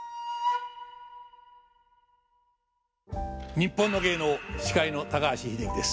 「にっぽんの芸能」司会の高橋英樹です。